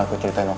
kakak tahu kak